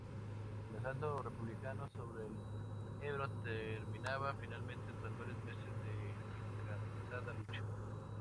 El asalto republicano sobre el Ebro terminaba finalmente tras varios meses de encarnizada lucha.